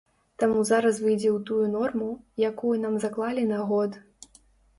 Таму зараз выйдзе ў тую норму, якую нам заклалі на год.